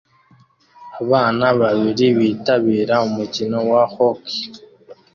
Abana babiri bitabira umukino wa Hockey